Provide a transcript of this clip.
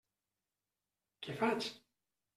Què faig?